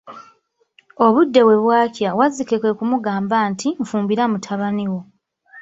Obudde bwe bwakya, wazzike kwe kumugamba nti, nfumbira mutabani wo.